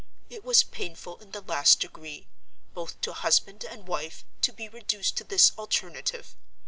It was painful in the last degree, both to husband and wife, to be reduced to this alternative.